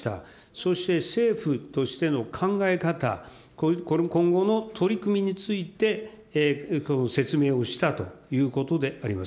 そして政府としての考え方、今後の取り組みについて説明をしたということであります。